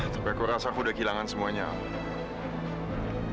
tapi aku rasa aku udah kehilangan semuanya al